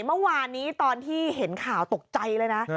เมื่อวานนี้ตอนที่เห็นข่าวตกใจเลยนะ